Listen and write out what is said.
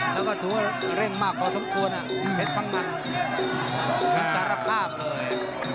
แล้วถือว่าเร่งมากบอกสมควรแผ่งพังมันจัดภาพเลย